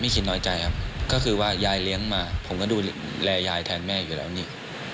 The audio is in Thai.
คิดน้อยใจครับก็คือว่ายายเลี้ยงมาผมก็ดูแลยายแทนแม่อยู่แล้วนี่